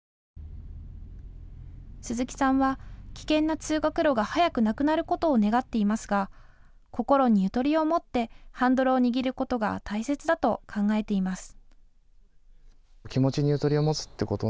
鈴木さんは危険な通学路が早くなくなることを願っていますが心にゆとりを持ってハンドルを握ることが大切だと考えています。